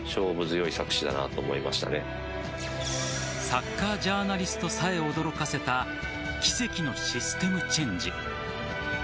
サッカージャーナリストさえ驚かせた奇跡のシステムチェンジ。